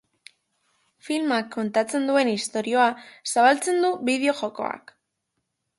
Filmak kontatzen duen istorioa zabaltzen du bideo-jokoak.